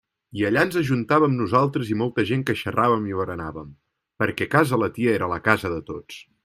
I allà ens ajuntàvem nosaltres i molta gent que xerràvem i berenàvem, perquè casa la tia era la casa de tots.